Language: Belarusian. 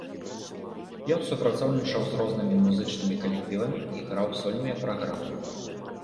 Ён супрацоўнічаў з рознымі музычнымі калектывамі і граў сольныя праграмы.